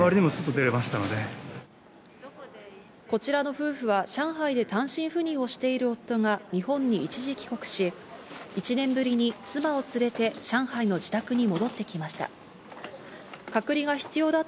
こちらの夫婦は上海で単身赴任をしている夫が日本に一時帰国し、１年ぶりに妻を連れて、上海の自宅に戻ってきました。